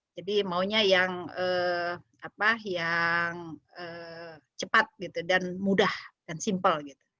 jadi maunya yang cepat dan mudah dan simpel